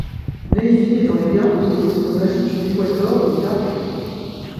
Navy et dans les Garde-Côtes, on ajoute une étoile d'or ou d'argent.